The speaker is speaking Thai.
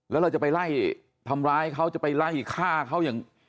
แล้วเราจะไปไล่ทำร้ายเขาจะไปไล่ฆ่าเขาอย่าง